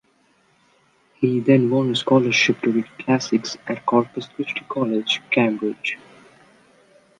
He then won a scholarship to read classics at Corpus Christi College, Cambridge.